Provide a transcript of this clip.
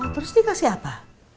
terus dikasih apa